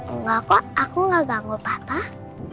enggak kok aku gak ganggu bapak